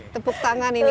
tepuk tangan ini